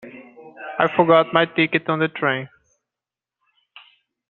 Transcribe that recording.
I forgot my ticket on the train.